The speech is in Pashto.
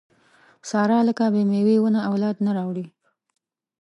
ساره لکه بې مېوې ونه اولاد نه راوړي.